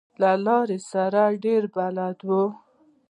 له لارې سره ډېر بلد و.